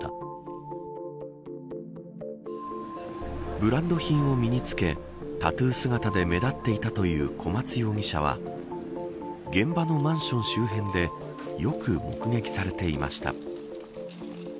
ブランド品を身に着けタトゥー姿で目立っていたという小松容疑者は現場のマンション周辺でよく目撃されていました。